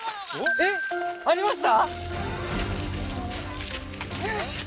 えっありました？